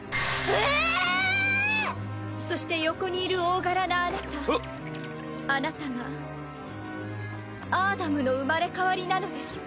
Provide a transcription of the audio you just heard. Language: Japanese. ええ⁉そして横にいる大柄なあなたあなたがアーダムの生まれ変わりなのです。